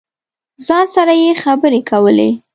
ځان سره یې خبرې کولې.